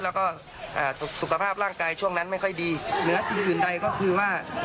แล้วก็สุขภาพร่างกายช่วงนั้นไม่ค่อยดีเหนือสิ่งอื่นใดก็คือว่า